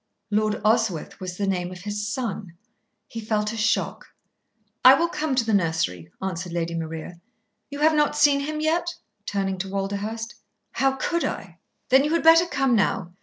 Lord Oswyth was the name of his son. He felt a shock. "I will come to the nursery," answered Lady Maria. "You have not seen him yet?" turning to Walderhurst. "How could I?" "Then you had better come now.